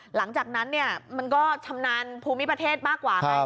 หลังจากนั้นมันก็ชำนาญภูมิประเทศมากกว่าไง